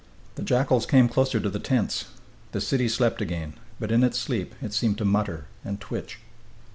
The jackals came closer to the tents. The city slept again, but in its sleep it seemed to mutter and twitch....